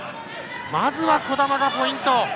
まずは児玉がポイント。